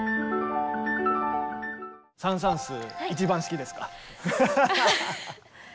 サン・サーンス一番好きですか？